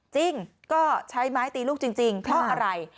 จริงก็ใช้ไม้ตีลูกจริงเพราะอะไร